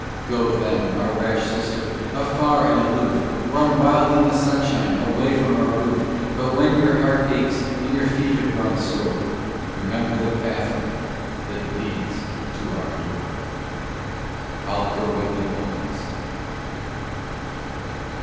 Go, then, our rash sister, afar and aloof, Run wild in the sunshine away from our roof; But when your heart aches and your feet have grown sore, Remember the pathway that leads to our door! OLIVER WENDELL HOLMES.